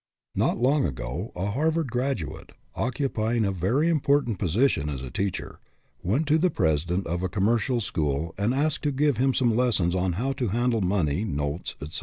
Not long ago, a Harvard graduate, occupy ing a very important position as a teacher, went to the president of a commercial school and asked him to give him some lessons on how to handle money, notes, etc.